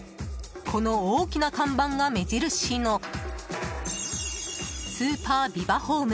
この大きな看板が目印のスーパービバホーム